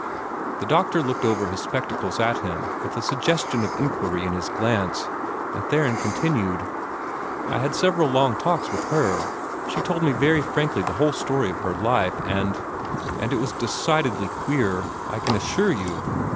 The doctor looked over his spectacles at him with a suggestion of inquiry in his glance, and Theron continued: "I had several long talks with her; she told me very frankly the whole story of her life and and it was decidedly queer, I can assure you!